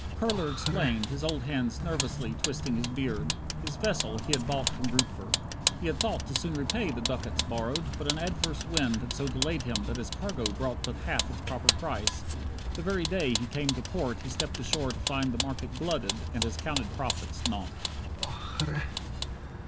Kurler explained, his old hands nervously Twisting his beard. His vessel he had bought From Grootver. He had thought to soon repay The ducats borrowed, but an adverse wind Had so delayed him that his cargo brought But half its proper price, the very day He came to port he stepped ashore to find The market glutted and his counted profits naught.